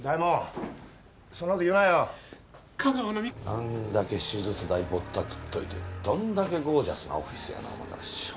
あんだけ手術代ぼったくっといてどんだけゴージャスなオフィスやろ思ったらショボ！